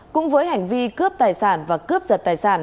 cũng với hành vi cướp tài sản và cướp giật tài sản